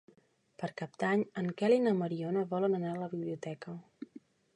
Per Cap d'Any en Quel i na Mariona volen anar a la biblioteca.